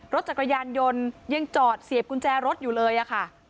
รถจักรยานยนต์ยังจอดเสียบกุญแจรถอยู่เลยอะค่ะ